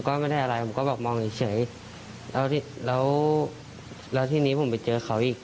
ก็ไม่ได้อะไรผมก็บอกมองเฉยแล้วแล้วทีนี้ผมไปเจอเขาอีก